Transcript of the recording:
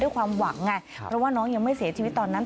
ความหวังไงเพราะว่าน้องยังไม่เสียชีวิตตอนนั้น